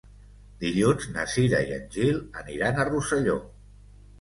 Dilluns na Cira i en Gil aniran a Rosselló.